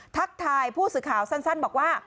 ทักทายผู้สื่อข่าวสั้นบอกว่า